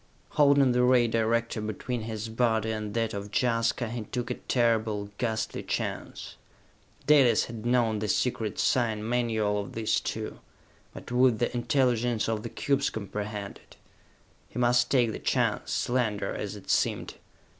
Holding the ray director between his body and that of Jaska, he took a terrible, ghastly chance. Dalis had known the secret sign manual of these two; but would the intelligence of the cubes comprehend it? He must take the chance, slender as it seemed.